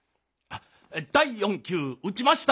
第４球打ちました！